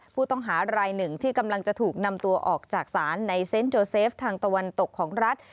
ผู้ต้องหารายหนึ่งที่กำลังจะถูกนำตัวออกจากศาลในเซนต์โจเซฟทางตะวันตกของรัฐ